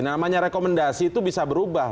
nah namanya rekomendasi itu bisa berubah